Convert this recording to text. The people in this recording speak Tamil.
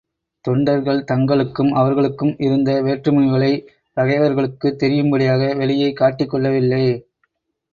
தொண்டர்கள் தங்களுக்கும் அவர்களுக்கும் இருந்த வேற்றுமைகளைப் பகைவர்களுக்குத் தெரியும்படியாக வெளியே காட்டிக் கொள்ளவில்லை.